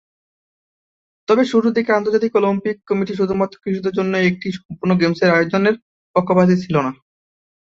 তবে শুরুর দিকে আন্তর্জাতিক অলিম্পিক কমিটি শুধুমাত্র কিশোরদের জন্য একটি সম্পূর্ণ গেমসের আয়োজনের পক্ষপাতী ছিল না।